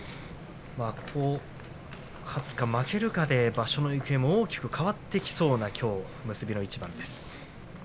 勝つか負けるかで場所の行方も大きく変わってきそうな結びの一番です。